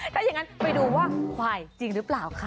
ถ้าอย่างนั้นไปดูว่าควายจริงหรือเปล่าค่ะ